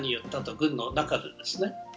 軍の中でですね。